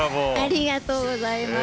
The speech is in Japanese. ありがとうございます。